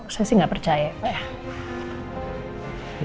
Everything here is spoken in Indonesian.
saya sih gak percaya pak ya